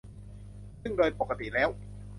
ซึ่งโดยปกติแล้ว